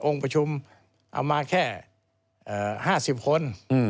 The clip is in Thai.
ประชุมเอามาแค่๕๐คน